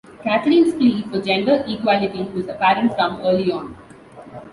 Katharine's plea for gender equality was apparent from early on.